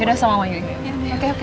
yaudah sama sama yuk